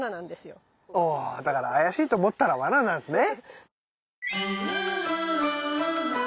おだから怪しいと思ったらワナなんですね。